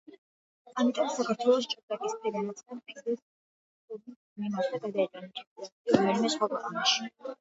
ამიტომ საქართველოს ჭადრაკის ფედერაციამ ფიდეს თხოვნით მიმართა გადაეტანა ჩემპიონატი რომელიმე სხვა ქვეყანაში.